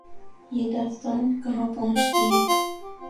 یہ داستان کہاں پہنچتی ہے۔